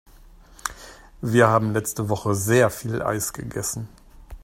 Wir haben letzte Woche sehr viel Eis gegessen.